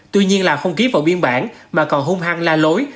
tuy nhiên lào không ký vào biên bản mà còn hung hăng la lối